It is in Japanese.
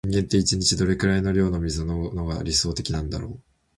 人間って、一日にどれくらいの量の水を飲むのが理想的なんだろう。